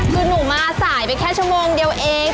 คือหนูมาสายไปแค่ชั่วโมงเดียวเอง